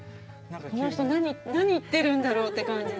この人何言ってるんだろうって感じで。